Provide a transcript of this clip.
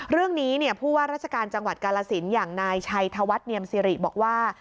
เรื่องนี้ผู้ว่าราชการจังหวัดกาลสินอย่างนายชัยธวัฒน์เนียมสิริบอกว่า